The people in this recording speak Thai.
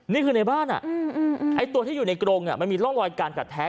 นี่คือในบ้านไอ้ตัวที่อยู่ในกรงมันมีร่องรอยการกัดแท้